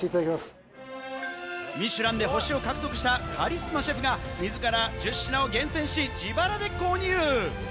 ミシュランで星を獲得したカリスマシェフが自ら１０品を厳選し、自腹で購入。